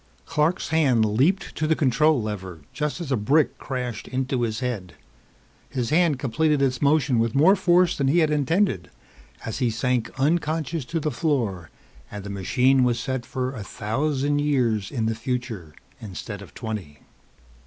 Clark's hand leaped to the control lever just as a brick crashed into his head. His hand completed its motion with more force than he had intended as he sank unconscious to the floor and the machine was set for a thousand years in the future instead of twenty.